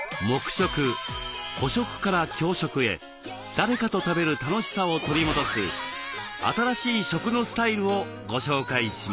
誰かと食べる楽しさを取り戻す「新しい食のスタイル」をご紹介します。